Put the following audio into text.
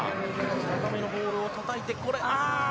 高めのボールをたたいてこれ、あー！